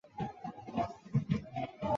死亡谷内亦有盐磐。